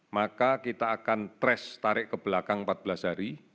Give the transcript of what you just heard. maka kita akan trace tarik ke belakang empat belas hari